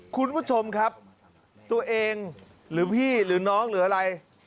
คุณผู้ชมครับตัวเองหรือพี่หรือน้องหรืออะไร